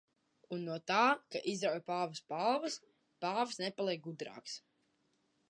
Un no tā, ka izrauj pāva spalvas, pāvs nepaliek gudrāks.